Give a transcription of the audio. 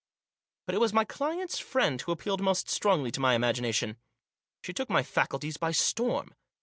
But it was my client's friend who appealed most strongly to my imagination. She took my faculties by storm.